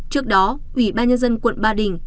trước đó ủy ban nhân dân quận ba đình